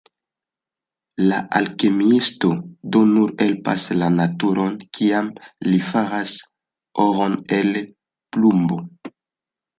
La alkemiisto do nur helpas la naturon, kiam li faras oron el plumbo.